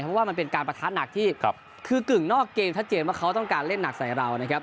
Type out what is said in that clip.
เพราะว่ามันเป็นการประทะหนักที่คือกึ่งนอกเกมชัดเจนว่าเขาต้องการเล่นหนักใส่เรานะครับ